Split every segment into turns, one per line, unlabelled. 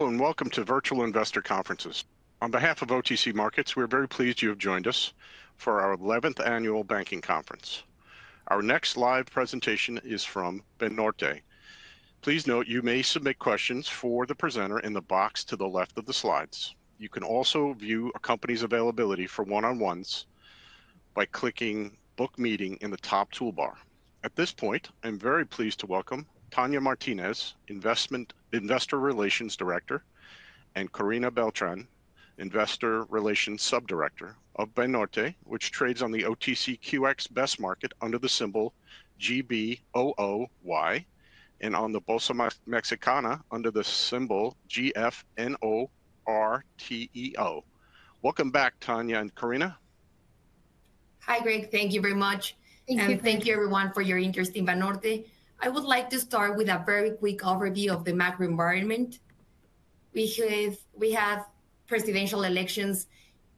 Welcome to Virtual Investor Conferences. On behalf of OTC Markets, we are very pleased you have joined us for our 11th Annual Banking Conference. Our next live presentation is from Banorte. Please note you may submit questions for the presenter in the box to the left of the slides. You can also view a company's availability for one-on-ones by clicking "Book Meeting" in the top toolbar. At this point, I'm very pleased to welcome Tania Martínez, Investor Relations Director, and Corina Beltrán, Investor Relations Subdirector of Banorte, which trades on the OTCQX Best Market under the symbol GBOOY and on the Bolsa Mexicana under the symbol GFNORTEO. Welcome back, Tania and Corina.
Hi, Greg. Thank you very much.
Thank you.
Thank you, everyone, for your interest in Banorte. I would like to start with a very quick overview of the macro environment. We have presidential elections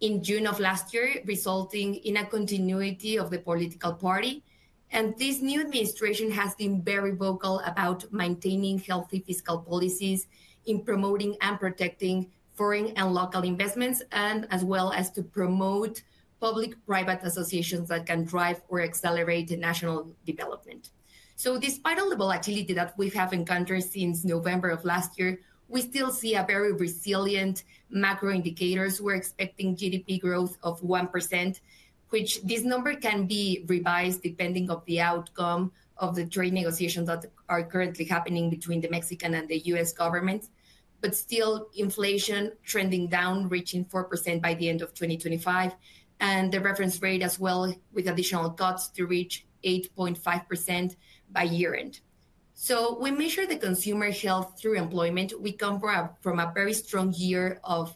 in June of last year, resulting in a continuity of the political party. And this new administration has been very vocal about maintaining healthy fiscal policies in promoting and protecting foreign and local investments, and as well as to promote public-private associations that can drive or accelerate the national development. So despite all the volatility that we have encountered since November of last year, we still see very resilient macro indicators. We're expecting GDP growth of 1%, which this number can be revised depending on the outcome of the trade negotiations that are currently happening between the Mexican and the U.S. government. But still, inflation trending down, reaching 4% by the end of 2025, and the reference rate as well, with additional cuts to reach 8.5% by year-end. So we measure the consumer health through employment. We come from a very strong year of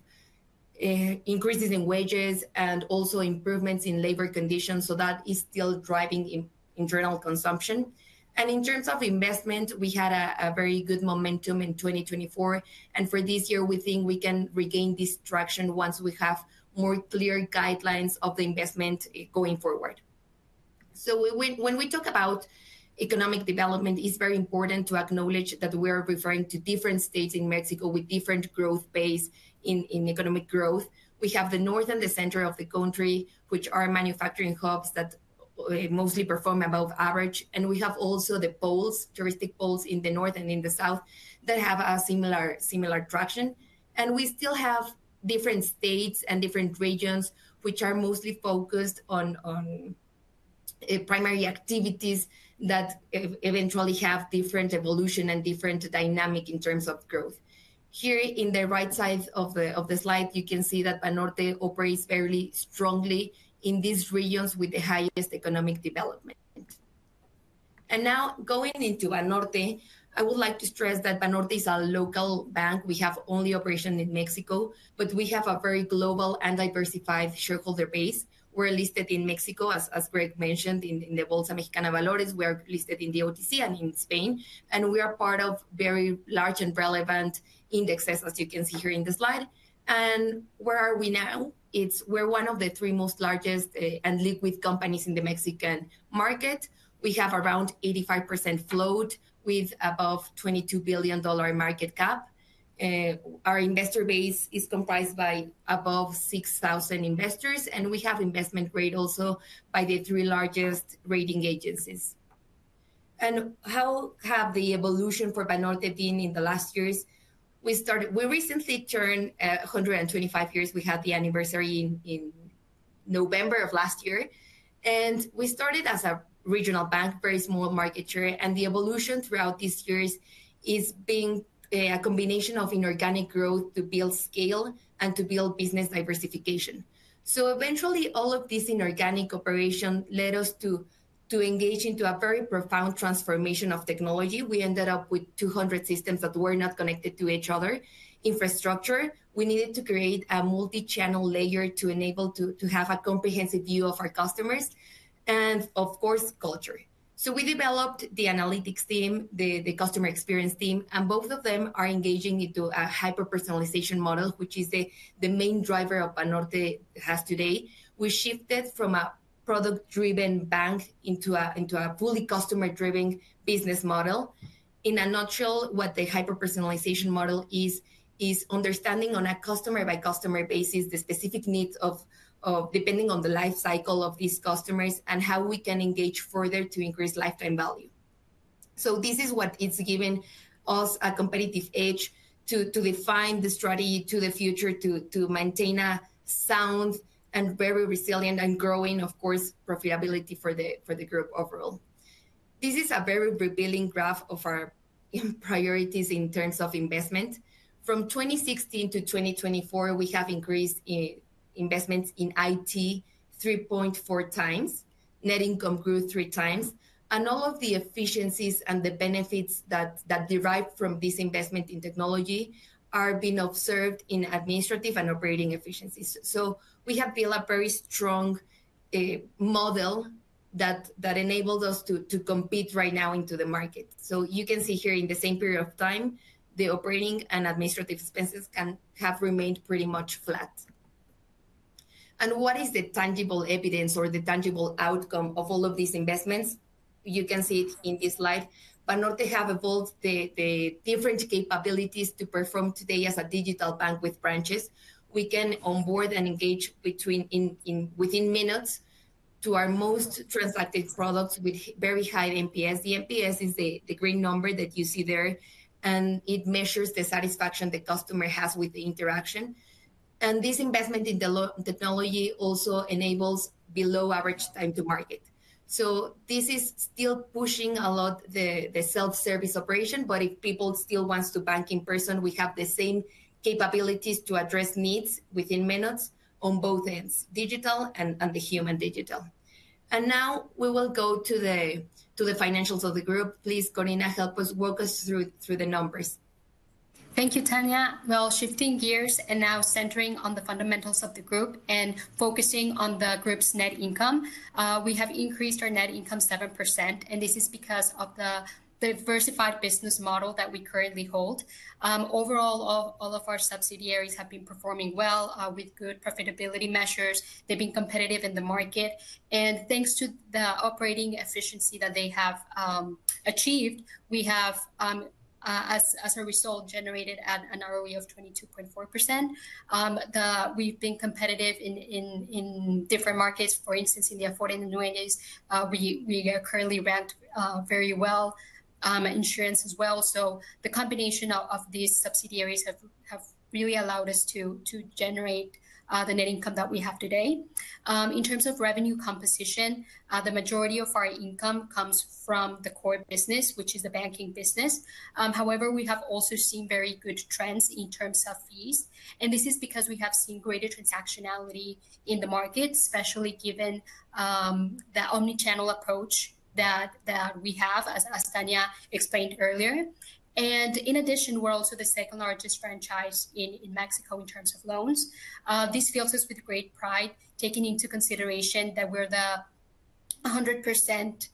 increases in wages and also improvements in labor conditions. So that is still driving internal consumption. And in terms of investment, we had a very good momentum in 2024. And for this year, we think we can regain this traction once we have more clear guidelines of the investment going forward. So when we talk about economic development, it's very important to acknowledge that we are referring to different states in Mexico with different growth pace in economic growth. We have the north and the center of the country, which are manufacturing hubs that mostly perform above average. And we have also the poles, touristic poles in the north and in the south, that have a similar traction. And we still have different states and different regions, which are mostly focused on primary activities that eventually have different evolution and different dynamic in terms of growth. Here in the right side of the slide, you can see that Banorte operates fairly strongly in these regions with the highest economic development. And now going into Banorte, I would like to stress that Banorte is a local bank. We have only operation in Mexico, but we have a very global and diversified shareholder base. We're listed in Mexico, as Greg mentioned, in the Bolsa Mexicana de Valores. We are listed in the OTC and in Spain. And we are part of very large and relevant indexes, as you can see here in the slide.
And where are we now?
We're one of the three most largest and liquid companies in the Mexican market. We have around 85% float with above $22 billion market cap. Our investor base is comprised by above 6,000 investors. And we have investment grade also by the three largest rating agencies. And how have the evolution for Banorte been in the last years? We recently turned 125 years. We had the anniversary in November of last year. And we started as a regional bank, very small market share. And the evolution throughout these years is being a combination of inorganic growth to build scale and to build business diversification. So eventually, all of this inorganic operation led us to engage into a very profound transformation of technology. We ended up with 200 systems that were not connected to each other, infrastructure. We needed to create a multi-channel layer to enable to have a comprehensive view of our customers, and of course, culture. We developed the analytics team, the customer experience team, and both of them are engaging into a hyper-personalization model, which is the main driver of Banorte has today. We shifted from a product-driven bank into a fully customer-driven business model. In a nutshell, what the hyper-personalization model is, is understanding on a customer-by-customer basis the specific needs depending on the life cycle of these customers and how we can engage further to increase lifetime value. This is what it's given us a competitive edge to define the strategy to the future, to maintain a sound and very resilient and growing, of course, profitability for the group overall. This is a very revealing graph of our priorities in terms of investment. From 2016 to 2024, we have increased investments in IT 3.4x. Net income grew three times. All of the efficiencies and the benefits that derive from this investment in technology are being observed in administrative and operating efficiencies. We have built a very strong model that enabled us to compete right now into the market. You can see here in the same period of time, the operating and administrative expenses have remained pretty much flat. What is the tangible evidence or the tangible outcome of all of these investments? You can see it in this slide. Banorte have evolved the different capabilities to perform today as a digital bank with branches. We can onboard and engage within minutes to our most transacted products with very high NPS. The NPS is the green number that you see there. It measures the satisfaction the customer has with the interaction. This investment in the technology also enables below-average time to market. This is still pushing a lot the self-service operation. If people still want to bank in person, we have the same capabilities to address needs within minutes on both ends, digital and the human digital. Now we will go to the financials of the group. Please, Corina, help us walk through the numbers.
Thank you, Tania. Shifting gears and now centering on the fundamentals of the group and focusing on the group's net income, we have increased our net income 7%. This is because of the diversified business model that we currently hold. Overall, all of our subsidiaries have been performing well with good profitability measures. They've been competitive in the market. Thanks to the operating efficiency that they have achieved, we have, as a result, generated an ROE of 22.4%. We've been competitive in different markets. For instance, in the Afore and Annuities, we currently rank very well. Insurance as well. The combination of these subsidiaries have really allowed us to generate the net income that we have today. In terms of revenue composition, the majority of our income comes from the core business, which is the banking business. However, we have also seen very good trends in terms of fees, and this is because we have seen greater transactionality in the market, especially given the omnichannel approach that we have, as Tania explained earlier. In addition, we're also the second largest franchise in Mexico in terms of loans. This fills us with great pride, taking into consideration that we're the 100%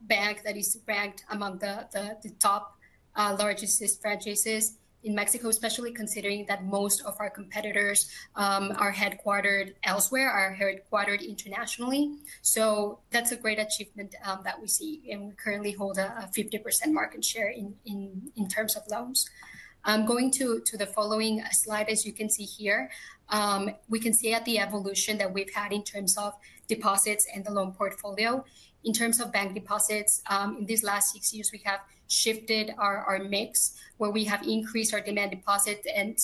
bank that is ranked among the top largest franchises in Mexico, especially considering that most of our competitors are headquartered elsewhere, are headquartered internationally. That's a great achievement that we see, and we currently hold a 50% market share in terms of loans. Going to the following slide, as you can see here, we can see the evolution that we've had in terms of deposits and the loan portfolio. In terms of bank deposits, in these last six years, we have shifted our mix, where we have increased our demand deposit and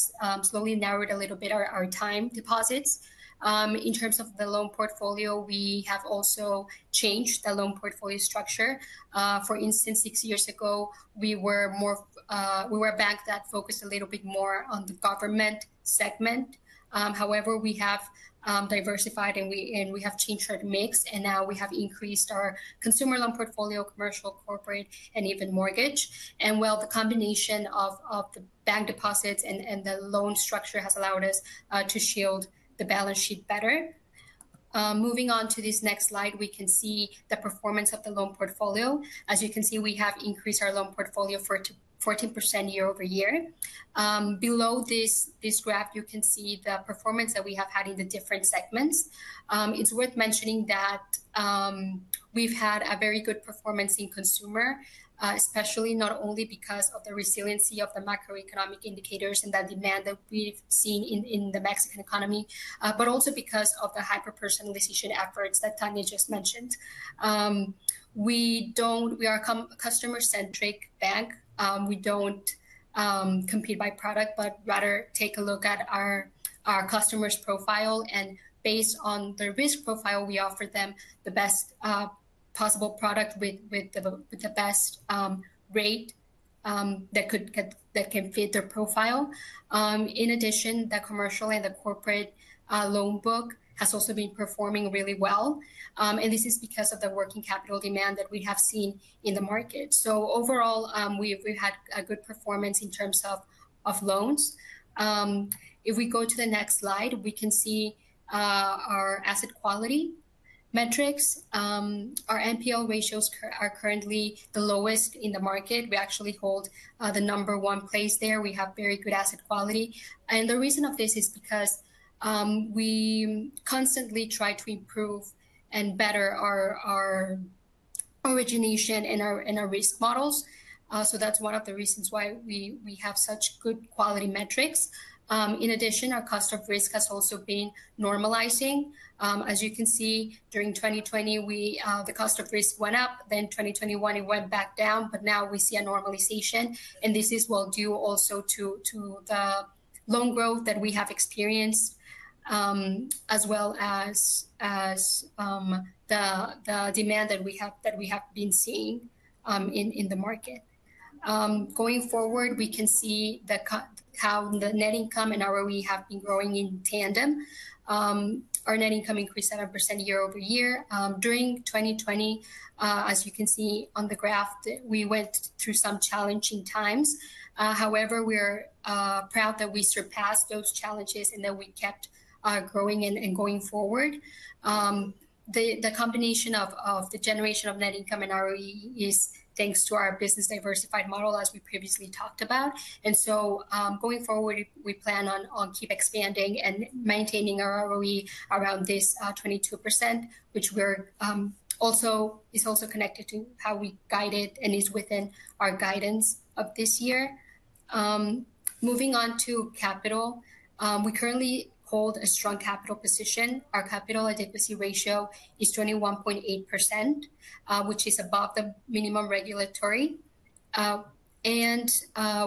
slowly narrowed a little bit our time deposits. In terms of the loan portfolio, we have also changed the loan portfolio structure. For instance, six years ago, we were a bank that focused a little bit more on the government segment. However, we have diversified and we have changed our mix, and now we have increased our consumer loan portfolio, commercial, corporate, and even mortgage, while the combination of the bank deposits and the loan structure has allowed us to shield the balance sheet better. Moving on to this next slide, we can see the performance of the loan portfolio. As you can see, we have increased our loan portfolio by 14% year-over-year. Below this graph, you can see the performance that we have had in the different segments. It's worth mentioning that we've had a very good performance in consumer, especially not only because of the resiliency of the macroeconomic indicators and the demand that we've seen in the Mexican economy, but also because of the hyper-personalization efforts that Tania just mentioned. We are a customer-centric bank. We don't compete by product, but rather take a look at our customer's profile. And based on their risk profile, we offer them the best possible product with the best rate that can fit their profile. In addition, the commercial and the corporate loan book has also been performing really well. And this is because of the working capital demand that we have seen in the market. So overall, we've had a good performance in terms of loans. If we go to the next slide, we can see our asset quality metrics. Our NPL ratios are currently the lowest in the market. We actually hold the number one place there. We have very good asset quality, and the reason of this is because we constantly try to improve and better our origination and our risk models. So that's one of the reasons why we have such good quality metrics. In addition, our cost of risk has also been normalizing. As you can see, during 2020, the cost of risk went up. Then 2021, it went back down. But now we see a normalization, and this is well due also to the loan growth that we have experienced, as well as the demand that we have been seeing in the market. Going forward, we can see how the net income and ROE have been growing in tandem. Our net income increased 7% year-over-year. During 2020, as you can see on the graph, we went through some challenging times. However, we're proud that we surpassed those challenges and that we kept growing and going forward. The combination of the generation of net income and ROE is thanks to our business diversified model, as we previously talked about, so going forward, we plan on keep expanding and maintaining our ROE around this 22%, which also is connected to how we guided and is within our guidance of this year. Moving on to capital, we currently hold a strong capital position. Our Capital Adequacy Ratio is 21.8%, which is above the minimum regulatory, and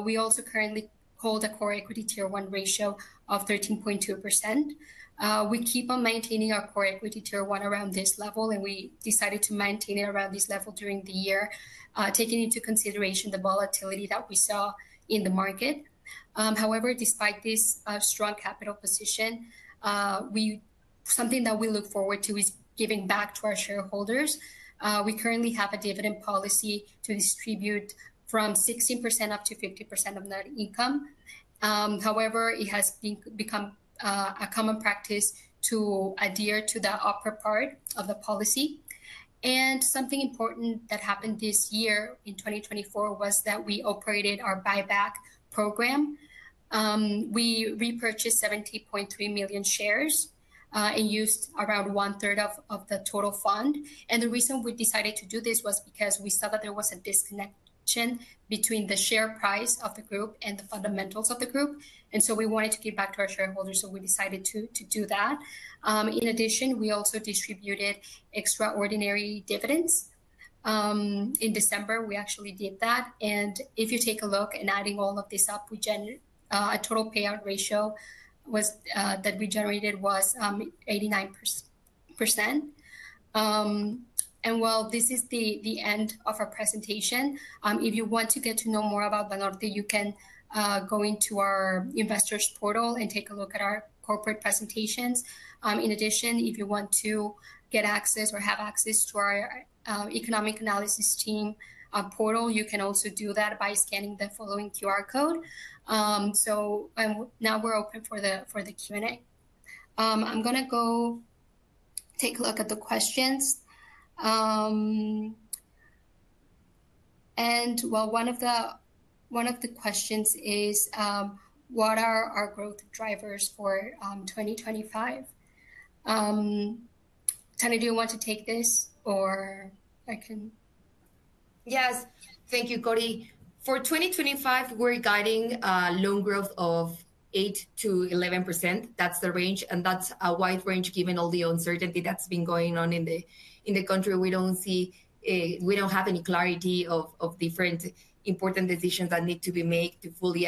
we also currently hold a Core Equity Tier one ratio of 13.2%. We keep on maintaining our Core Equity Tier one around this level. We decided to maintain it around this level during the year, taking into consideration the volatility that we saw in the market. However, despite this strong capital position, something that we look forward to is giving back to our shareholders. We currently have a dividend policy to distribute from 16% up to 50% of net income. However, it has become a common practice to adhere to the upper part of the policy. Something important that happened this year in 2024 was that we operated our buyback program. We repurchased 17.3 million shares and used around one-third of the total fund. The reason we decided to do this was because we saw that there was a disconnection between the share price of the group and the fundamentals of the group. We wanted to give back to our shareholders. We decided to do that. In addition, we also distributed extraordinary dividends. In December, we actually did that, and if you take a look and adding all of this up, a total payout ratio that we generated was 89%, and while this is the end of our presentation, if you want to get to know more about Banorte, you can go into our investors portal and take a look at our corporate presentations. In addition, if you want to get access or have access to our economic analysis team portal, you can also do that by scanning the following QR code. So now we're open for the Q&A. I'm going to go take a look at the questions, and while one of the questions is, what are our growth drivers for 2025? Tania, do you want to take this or I can?
Yes. Thank you, Cori. For 2025, we're guiding loan growth of 8%-11%. That's the range, and that's a wide range given all the uncertainty that's been going on in the country. We don't have any clarity of different important decisions that need to be made to fully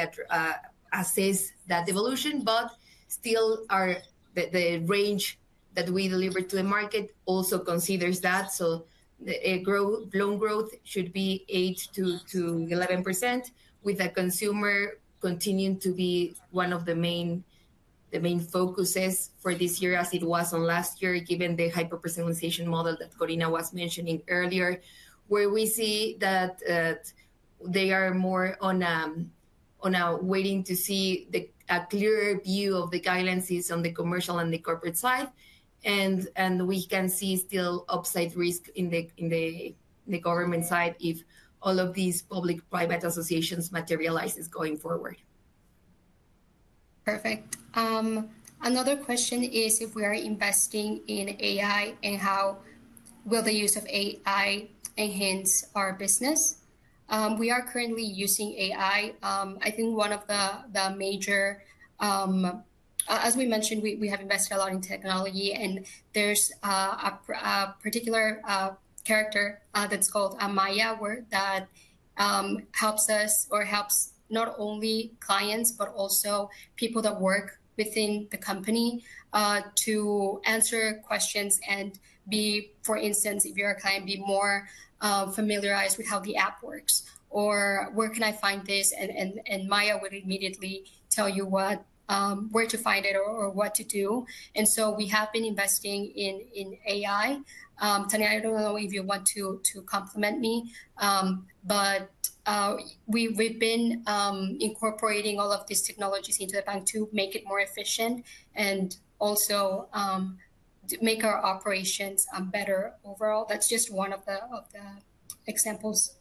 assess that evolution, but still, the range that we deliver to the market also considers that, so loan growth should be 8%-11%, with the consumer continuing to be one of the main focuses for this year, as it was last year, given the hyper-personalization model that Corina was mentioning earlier, where we see that they are more on a waiting to see a clearer view of the guidance on the commercial and the corporate side, and we can see still upside risk in the government side if all of these public-private associations materialize going forward.
Perfect. Another question is, if we are investing in AI, how will the use of AI enhance our business? We are currently using AI. I think one of the major, as we mentioned, we have invested a lot in technology. And there's a particular character that's called Maya that helps us, or helps not only clients, but also people that work within the company to answer questions and be, for instance, if you're a client, be more familiarized with how the app works. Or where can I find this? And Maya would immediately tell you where to find it or what to do. And so we have been investing in AI. Tania, I don't know if you want to compliment me, but we've been incorporating all of these technologies into the bank to make it more efficient and also make our operations better overall. That's just one of the examples.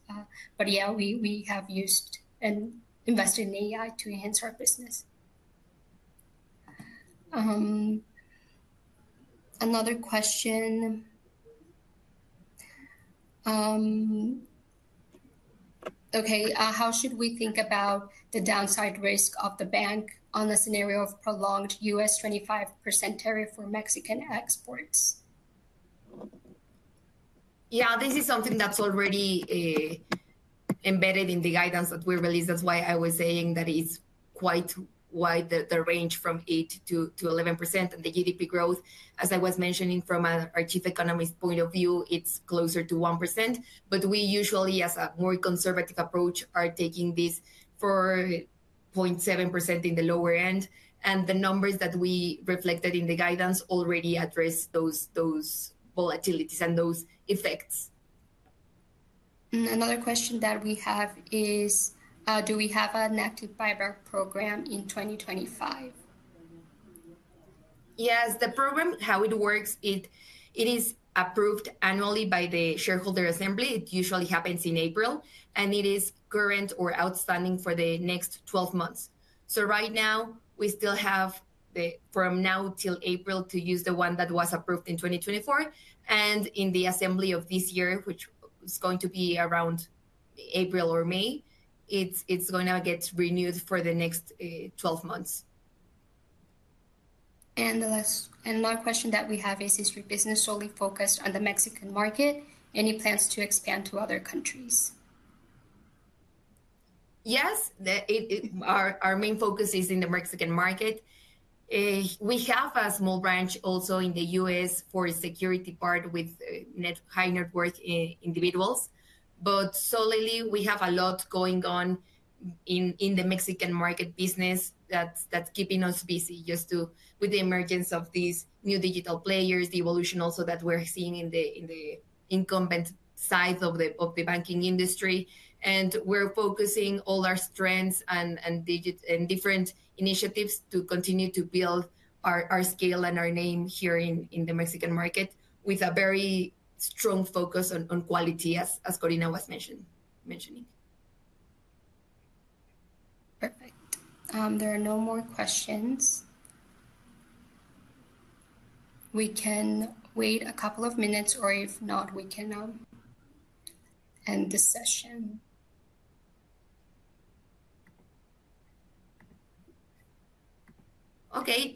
But yeah, we have used and invested in AI to enhance our business. Another question. Okay. How should we think about the downside risk of the bank on the scenario of prolonged U.S. 25% tariff for Mexican exports?
Yeah, this is something that's already embedded in the guidance that we released. That's why I was saying that it's quite wide the range from 8%-11%, and the GDP growth, as I was mentioning, from our chief economist point of view, it's closer to 1%, but we usually, as a more conservative approach, are taking this for 0.7% in the lower end, and the numbers that we reflected in the guidance already address those volatilities and those effects.
Another question that we have is, do we have an active buyback program in 2025?
Yes. The program, how it works, it is approved annually by the shareholder assembly. It usually happens in April, and it is current or outstanding for the next 12 months. So right now, we still have from now till April to use the one that was approved in 2024, and in the assembly of this year, which is going to be around April or May, it's going to get renewed for the next 12 months.
The last question that we have is, your business solely focused on the Mexican market? Any plans to expand to other countries?
Yes. Our main focus is in the Mexican market. We have a small branch also in the U.S. for securities part with high net worth individuals. But solely, we have a lot going on in the Mexican market business that's keeping us busy just with the emergence of these new digital players, the evolution also that we're seeing in the incumbent side of the banking industry. And we're focusing all our strengths and different initiatives to continue to build our scale and our name here in the Mexican market with a very strong focus on quality, as Corina was mentioning.
Perfect. There are no more questions. We can wait a couple of minutes, or if not, we can end the session.
Okay.